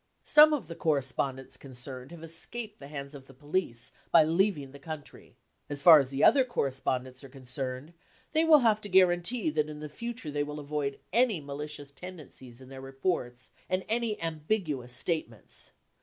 Some of the correspondents concerned have escaped the hands of the police by leaving the country. As far as the other correspondents are concerned, they will have to guarantee that in future they will avoid any malicious tendencies in their reports and any ambiguous statements.